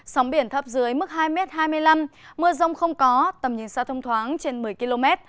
sóng biển thấp dưới mức hai hai mươi năm m mưa rông không có tầm nhìn xa thông thoáng trên một mươi km